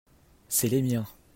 c'est les miens.